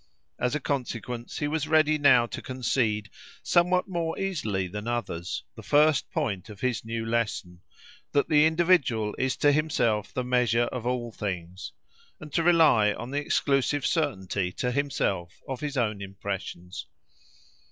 As a consequence, he was ready now to concede, somewhat more easily than others, the first point of his new lesson, that the individual is to himself the measure of all things, and to rely on the exclusive certainty to himself of his own impressions.